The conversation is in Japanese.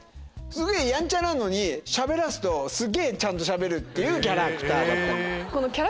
すげぇヤンチャなのにしゃべらすとすげぇちゃんとしゃべるっていうキャラクターだったの。